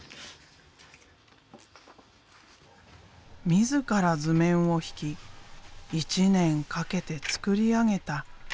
自ら図面を引き１年かけて作り上げた新幹線の家。